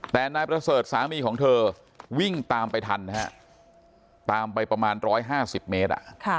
แต่นายประเสริฐสามีของเธอวิ่งตามไปทันตามไปประมาณ๑๕๐เมตร